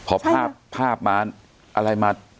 พอภาพมาอะไรมา